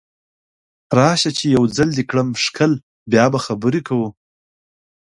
راشه چې یو ځل دې کړم ښکل بیا به خبرې کوو